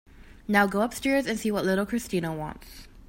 Now go upstairs and see what little Christina wants.